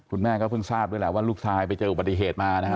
คุณแม่ก็เพิ่งทราบด้วยแหละว่าลูกชายไปเจออุบัติเหตุมานะฮะ